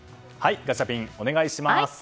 ガチャピンお願いします。